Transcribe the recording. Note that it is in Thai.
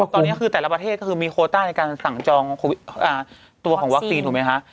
ตอนนี้คือแต่ละประเทศก็คือมีโคต้าในการสั่งจองตัวของวัคซีนถูกไหมคะ